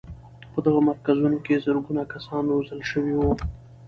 په دغو مرکزونو کې زرګونه کسان روزل شوي وو.